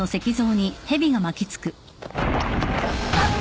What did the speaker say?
あっ！